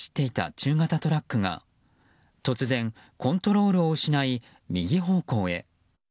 中型トラックが突然コントロールを失い右方向へ。